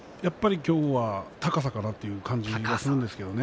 今日は高さかなという感じがするんですけれどね。